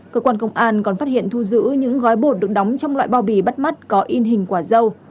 cơ quan công an còn phát hiện thu giữ những gói bột được đóng trong loại bao bì bắt mắt có in hình quả dâu